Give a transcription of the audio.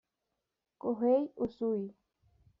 Kohei Usui